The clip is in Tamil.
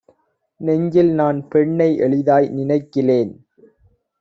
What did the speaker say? நெஞ்சில்நான் பெண்ணை எளிதாய் நினைக்கிலேன்.